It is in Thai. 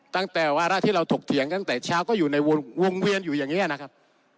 ตั้งแต่วาระที่เราถกเถียงตั้งแต่เช้าก็อยู่ในวงเวียนอยู่อย่างนี้นะครับ